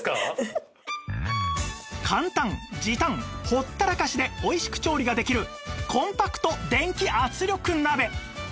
簡単時短ほったらかしでおいしく調理ができるコンパクト電気圧力鍋